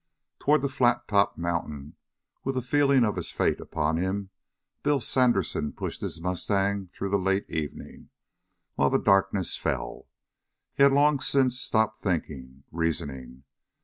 26 Toward the flat topped mountain, with the feeling of his fate upon him, Bill Sandersen pushed his mustang through the late evening, while the darkness fell. He had long since stopped thinking, reasoning.